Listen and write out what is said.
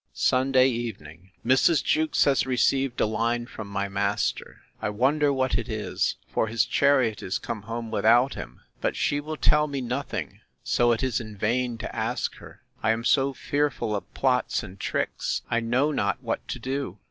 Sunday evening. Mrs. Jewkes has received a line from my master: I wonder what it is, for his chariot is come home without him. But she will tell me nothing; so it is in vain to ask her. I am so fearful of plots and tricks, I know not what to do!